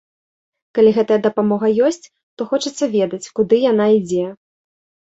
Калі гэтая дапамога ёсць, то хочацца ведаць, куды яна ідзе.